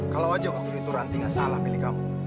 kalau aja waktu itu ranti nggak salah milih kamu